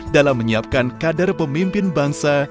dalam menyiapkan kader pemimpin bangsa